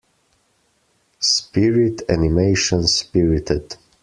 Spirit animation Spirited.